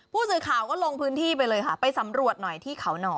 ผู้สื่อข่าวก็ลงพื้นที่ไปเลยค่ะไปสำรวจหน่อยที่เขาหน่อ